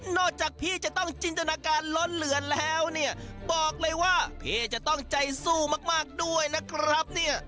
จากพี่จะต้องจินตนาการล้นเหลือแล้วเนี่ยบอกเลยว่าพี่จะต้องใจสู้มากด้วยนะครับเนี่ย